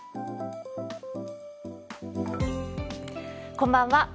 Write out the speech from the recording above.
こんばんは。